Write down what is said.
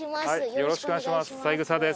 よろしくお願いします。